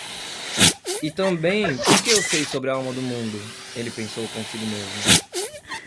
E também porque eu sei sobre a Alma do Mundo,? ele pensou consigo mesmo.